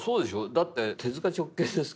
だって手直系ですから。